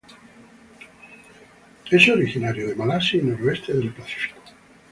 Es originario de Malasia y noroeste del Pacífico.